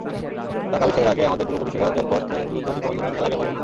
চাকা আবিষ্কারের আগে আমাদের পূর্বপুরুষেরা জলপথে দূরত্ব অতিক্রমের জন্য ভেলাই ব্যবহার করতেন।